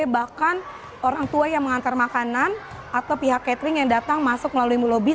bahkan orang tua yang mengantar makanan atau pihak catering yang datang masuk melalui mulobi